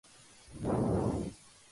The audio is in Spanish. El sabor resulta suave, salado y ácido.